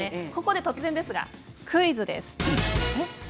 突然ですが、クイズです。